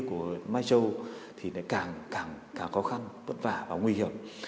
của mai châu thì càng khó khăn vất vả và nguy hiểm